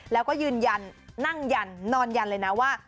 แล้วก็ยืนยันนั่งยันนอนยันเลยนะว่า